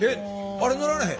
あれ乗られへん？